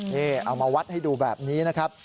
นี่เอามาวัดให้ดูแบบนี้นะครับ